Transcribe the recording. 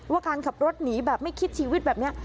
ว่าการขับรถหนีแบบไม่คิดชีวิตแบบนี้